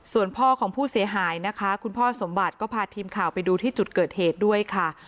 ส่วนพ่อของผู้เสียหายนะคะคุณพ่อสมบัติก็พาทีมข่าวไปดูที่จุดเกิดเหตุด้วยค่ะ